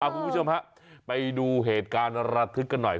คุณผู้ชมฮะไปดูเหตุการณ์ระทึกกันหน่อย